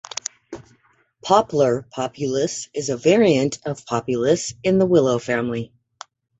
Poplar populus is a variant of Populus in the willow family.